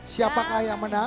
siapakah yang menang